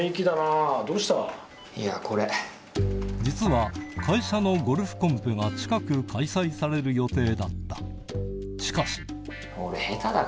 実は会社のゴルフコンペが近く開催される予定だった